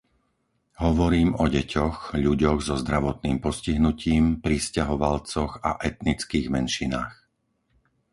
Hovorím o deťoch, ľuďoch so zdravotným postihnutím, prisťahovalcoch a etnických menšinách.